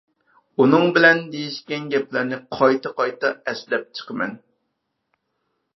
ئۇنىڭ بىلەن دېيىشكەن گەپلەرنى قايتا قايتا ئەسلەپ چىقىمەن.